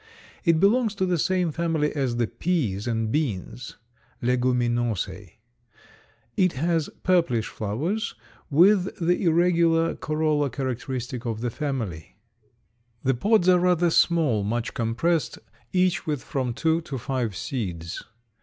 It belongs to the same family as the peas and beans (Leguminosæ). It has purplish flowers with the irregular corolla characteristic of the family. The pods are rather small, much compressed, each with from two to five seeds.